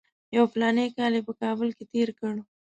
یو فلاني کال یې په کابل کې تېر کړ.